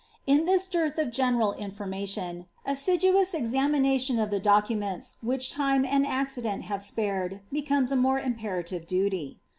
In this dearth of general information, assidnuus examination of the docnmenia which time rati accident have spared becomes a more imperative duly.